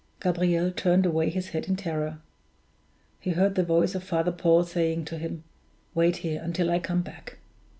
Gabriel turned away his head in terror. He heard the voice of Father Paul saying to him: "Wait here till I come back."